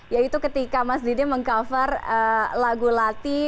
yaitu ketika mas didi meng cover lagu latih